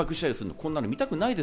そんなの見たくない。